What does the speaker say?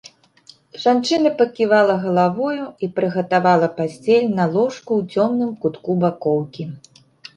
Жанчына паківала галавою і прыгатавала пасцель на ложку ў цёмным кутку бакоўкі.